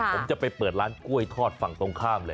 ผมจะไปเปิดร้านกล้วยทอดฝั่งตรงข้ามเลย